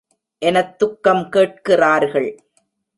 எனத் துக்கம் கேட்கிறார்கள்.